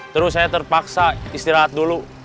terus saya terpaksa istirahat dulu